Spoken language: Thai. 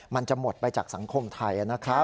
มันจะหมดไปจากสังคมไทยนะครับ